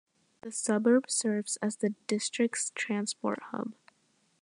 The suburb serves as the district's transport hub.